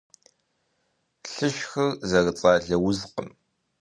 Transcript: Лышхыр зэрыцӀалэ узкъым.